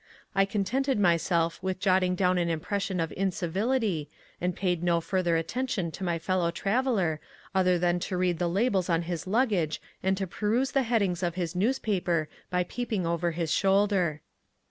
I contented myself with jotting down an impression of incivility and paid no further attention to my fellow traveller other than to read the labels on his lug gage and to peruse the headings of his newspaper by peeping over his shoulder.